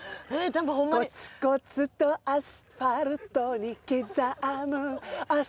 「コツコツとアスファルトに刻む足音を」